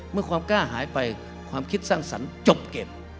ความกล้าหายไปความคิดสร้างสรรค์จบเก็บ